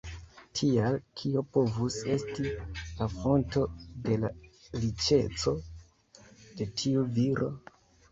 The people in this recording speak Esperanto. Tial, kio povus esti la fonto de la riĉeco de tiu viro?